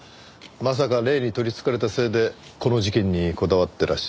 まさか霊に取りつかれたせいでこの事件にこだわってらっしゃるのかと。